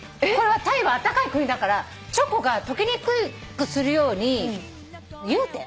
タイはあったかい国だからチョコが溶けにくくするように融点？